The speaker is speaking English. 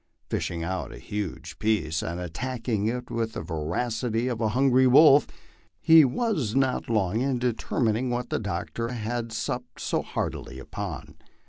Fishing out a huge piece, and attacking it with the voracity of a hungry wolf, he was not long in determining what the doctor had slipped so heartily upon.